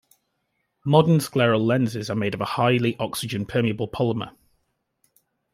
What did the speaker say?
Modern scleral lenses are made of a highly oxygen permeable polymer.